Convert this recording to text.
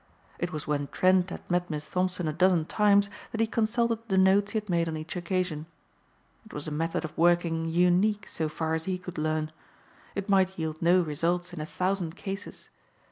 It was when Trent had met Miss Thompson a dozen times that he consulted the notes he had made on each occasion. It was a method of working unique so far as he could learn. It might yield no results in a thousand cases.